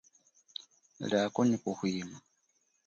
Liako nyi kuhwima.